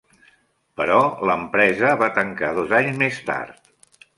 Però l'empresa va tancar dos anys més tard.